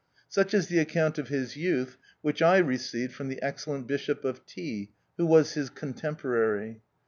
Such is the account of his youth, which I received from the excel lent Bishop of T , who was his cok temporary.